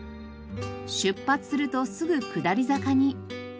出発するとすぐ下り坂に。